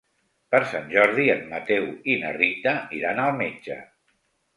Per Sant Jordi en Mateu i na Rita iran al metge.